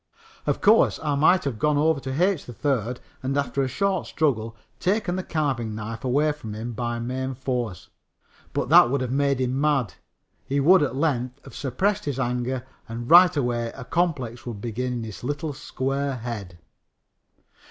Of course, I might have gone over to H. 3rd and, after a short struggle, taken the carving knife away from him by main force, but that would have made him mad. He would at length have suppressed his anger and right away a complex would begin in his little square head.